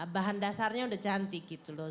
bahan dasarnya udah cantik gitu loh